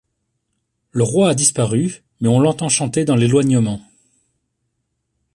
Le roi a disparu ; mais on l’entend chanter dans l’éloignement.